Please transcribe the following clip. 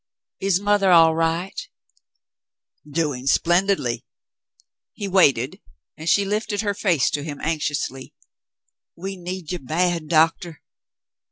"Is mother all right .?^" "Doing splendidly." He waited, and she lifted her face to him anxiously. "We need you bad. Doctor."